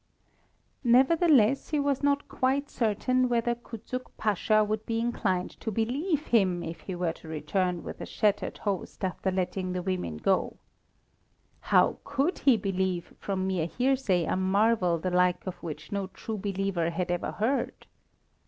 Nevertheless, he was not quite certain whether Kuczuk Pasha would be inclined to believe him if he were to return with a shattered host after letting the women go. How could he believe from mere hearsay a marvel the like of which no true believer had ever heard?